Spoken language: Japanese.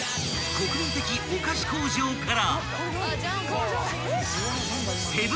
［国民的お菓子工場から］